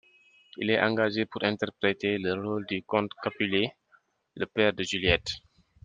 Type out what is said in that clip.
Il est engagé pour interpréter le rôle du comte Capulet, le père de Juliette.